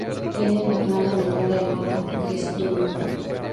Tiene una hermana menor llamada Kristina.